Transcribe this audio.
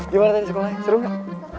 gimana tadi sekolah seru gak